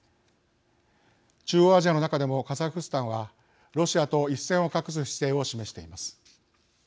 中央アジアの中でもカザフスタンはロシアと一線を画す姿勢を示しています。